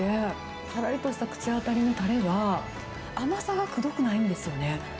さらりとした口当たりのたれが、甘さがくどくないんですよね。